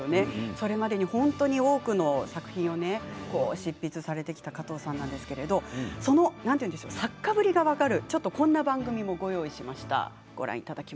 それまでに本当に多くの作品を執筆されてきた加藤さんなんですけど作家ぶりが分かるこんな番組もご用意しました。